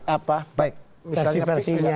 apa baik versi versinya